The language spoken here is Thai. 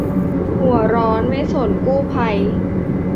หัวร้อนไม่สนกู้ภัย